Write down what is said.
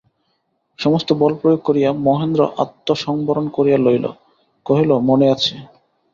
সমস্ত বলপ্রয়োগ করিয়া মহেন্দ্র আত্মসংবরণ করিয়া লইল–কহিল, মনে আছে।